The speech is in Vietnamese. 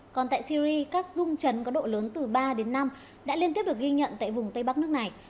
còn tại syri các dung chấn có độ lớn từ ba đến năm đã liên tiếp được ghi nhận tại vùng tây bắc nước này